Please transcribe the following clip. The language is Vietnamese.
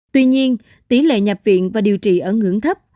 tuy nhiên tỷ lệ nhập viện và điều trị ở ngưỡng thấp